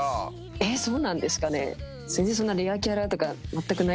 そうなんですかね。